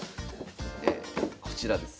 こちらです。